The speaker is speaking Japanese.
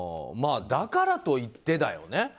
だからといってだよね。